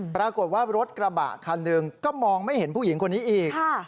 ปรากฏว่ารถกระบะคันหนึ่งก็มองไม่เห็นผู้หญิงคนนี้อีก